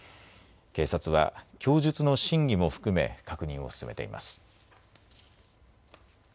警察は供述の真偽も含め確認を進めています。